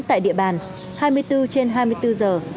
tại địa bàn hai mươi bốn trên hai mươi bốn giờ